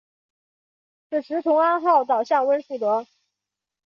此时同安号倒向温树德。